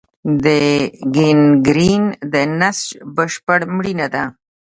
د ګینګرین د نسج بشپړ مړینه ده.